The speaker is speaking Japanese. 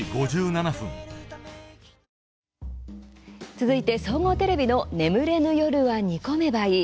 続いて総合テレビの「眠れぬ夜は、煮込めばいい」。